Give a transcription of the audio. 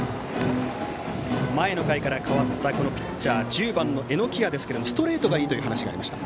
前の回から代わったピッチャー１０番の榎谷ですがストレートがいいという話がありました。